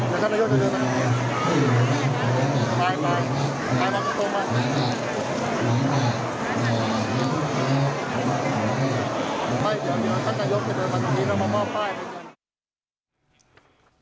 อืมไม่เดี๋ยวสักการยกเป็นอะไรมาตรงนี้เรามาเอาป้ายไว้กัน